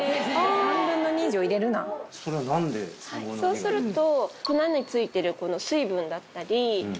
そうすると。